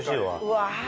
うわ！